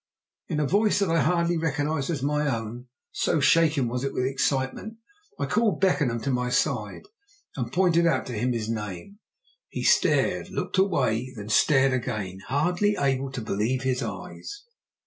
In a voice that I hardly recognized as my own, so shaken was it with excitement, I called Beckenham to my side and pointed out to him his name. He stared, looked away, then stared again, hardly able to believe his eyes.